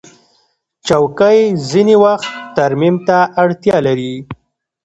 چوکۍ ځینې وخت ترمیم ته اړتیا لري.